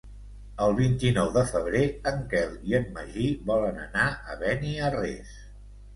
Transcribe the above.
El vint-i-nou de febrer en Quel i en Magí volen anar a Beniarrés.